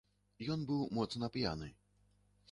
Ён быў моцна п'яны.